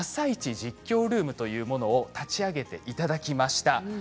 実況ルームというものを立ち上げていただきました。